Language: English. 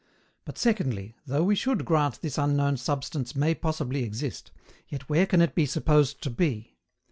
But secondly, though we should grant this unknown substance may possibly exist, yet where can it be supposed to be?